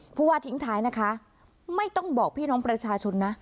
ผู้ว่าทิ้งท้ายนะคะไม่ต้องบอกพี่น้องประชาชนนะ